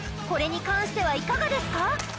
これに関してはいかがですか？